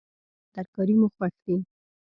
میوې او ترکاری مو خوښ دي